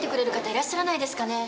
いらっしゃらないですかねぇ？